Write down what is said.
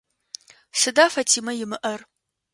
Сыда Фатимэ имыӏэр?